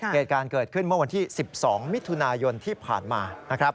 เหตุการณ์เกิดขึ้นเมื่อวันที่๑๒มิถุนายนที่ผ่านมานะครับ